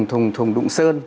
thùng đụng sơn